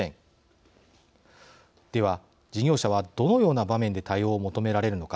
では事業者はどのような場面で対応を求められるのか。